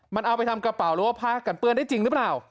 มันเอาไปทำกระเป๋าหรือว่าผ้ากันเปื้อนได้จริงหรือเปล่า